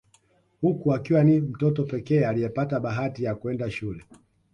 Huku akiwa ni mtoto pekee aliyepata bahati ya kwenda shule